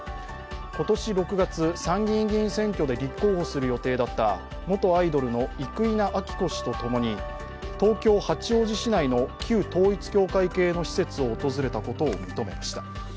今年６月、参議院議員選挙で立候補する予定だった元アイドルの生稲晃子氏とともに、東京・八王子市内の旧統一教会系の施設を訪れたことを認めました。